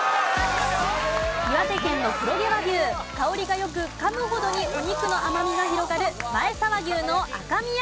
岩手県の黒毛和牛香りが良くかむほどにお肉の甘みが広がる前沢牛の赤身焼肉と。